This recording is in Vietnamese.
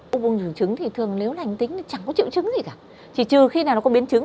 u buồn trứng thường nếu lành tính thì chẳng có triệu chứng gì cả chỉ trừ khi nào nó có biến chứng